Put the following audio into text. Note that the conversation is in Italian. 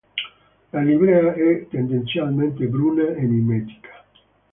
La livrea è tendenzialmente bruna e mimetica.